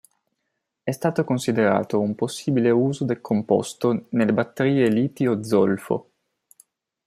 È stato considerato un possibile uso del composto nelle batterie litio-zolfo.